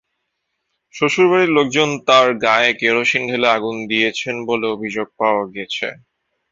শ্বশুরবাড়ির লোকজন তাঁর গায়ে কেরোসিন ঢেলে আগুন দিয়েছেন বলে অভিযোগ পাওয়া গেছে।